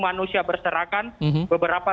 manusia berserakan beberapa